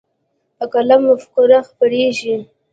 په قلم مفکوره خپرېږي.